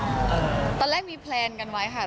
ก็ตอนแรกมีแปลนไว้ครับ